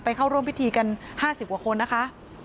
เข้าร่วมพิธีกัน๕๐กว่าคนนะคะ